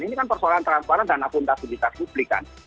ini kan persoalan transparan dan akuntabilitas publik kan